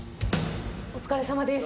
お疲れさまです。